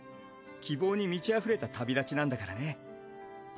希望に満ちあふれた旅立ちなんだからね。